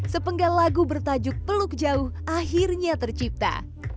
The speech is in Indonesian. sepenggal lagu bertajuk peluk jauh akhirnya tercipta